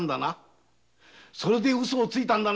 それでウソをついたんだね？